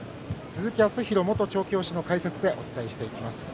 鈴木康弘元調教師の解説でお伝えします。